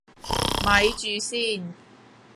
咪住先